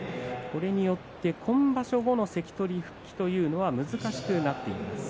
これによって今場所後の関取復帰というのは難しくなりました。